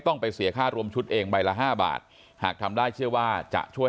ต้องไปเสียค่ารวมชุดเองใบละห้าบาทหากทำได้เชื่อว่าจะช่วย